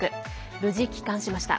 無事帰還しました。